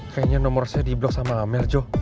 kayaknya nomor saya diblok sama mail joe